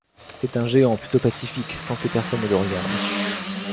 C'est un géant, plutôt pacifique tant que personne ne le regarde.